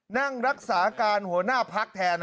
นั่งรักษาการหัวหน้าพักแทน